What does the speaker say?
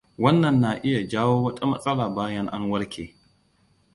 Wannan na iya jawo wata matsala bayan an warke.